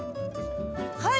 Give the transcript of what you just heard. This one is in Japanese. はい！